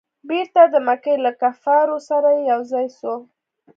بیرته د مکې له کفارو سره یو ځای سو.